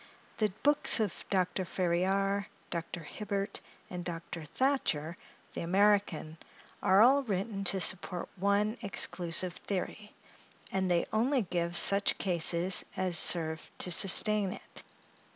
The books of Dr. Ferriar, Dr. Hibbert, and Dr. Thatcher, the American, are all written to support one exclusive theory; and they only give such cases as serve to sustain it.